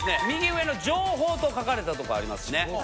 右上の情報と書かれたとこありますね。